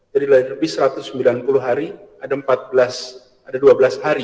jadi lebih dari satu ratus sembilan puluh hari